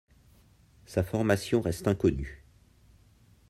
Sa formation reste inconnue.